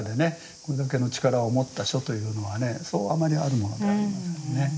これだけの力を持った書というのはねそうあまりあるものではありませんね。